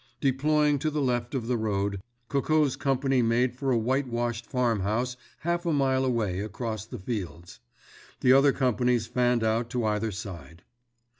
Deploying to the left of the road, Coco's company made for a whitewashed farmhouse half a mile away, across the fields. The other companies fanned out to either side.